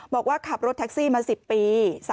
บอกว่าขับรถแท็กซี่มา๑๐ปี